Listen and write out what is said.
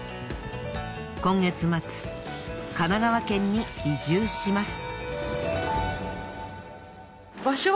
今月末神奈川県に移住します。